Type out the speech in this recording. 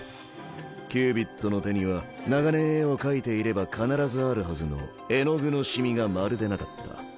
キュービッドの手には長年絵を描いていれば必ずあるはずの絵の具の染みがまるでなかった。